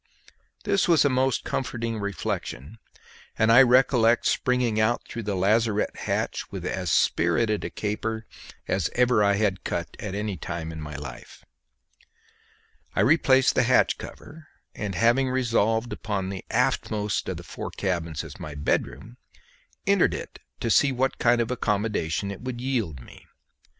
This was a most comforting reflection, and I recollect springing out through the lazarette hatch with as spirited a caper as ever I had cut at any time in my life. I replaced the hatch cover, and having resolved upon the aftmost of the four cabins as my bedroom, entered it to see what kind of accommodation it would yield me.